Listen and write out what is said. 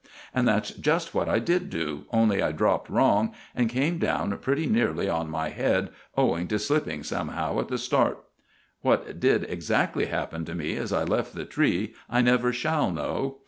And that's just what I did do, only I dropped wrong, and came down pretty nearly on my head owing to slipping somehow at the start. What did exactly happen to me as I left the tree I never shall know.